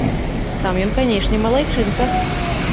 Сам ён, канешне, малайчынка.